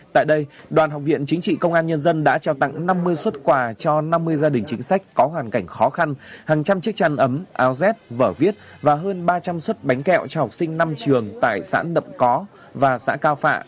tại đây đoàn học viện chính trị công an nhân dân đã trao tặng năm mươi xuất quà cho năm mươi gia đình chính sách có hoàn cảnh khó khăn hàng trăm chiếc chăn ấm áo rét vở viết và hơn ba trăm linh suất bánh kẹo cho học sinh năm trường tại xã nậm có và xã cao phạ